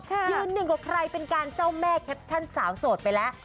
ยืนหนึ่งกว่าใครเป็นการเจ้าแม่แคปชั่นสาวโสดไปแล้ว